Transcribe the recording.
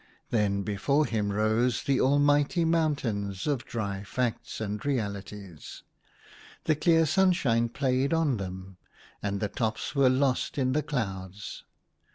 Then before him rose the almighty mountains of Dry facts and Realities, The clear sunshine played on them, and the tops were lost in the clouds.